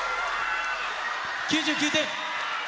９９点。